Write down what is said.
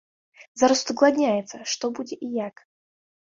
Зараз удакладняецца, што будзе і як.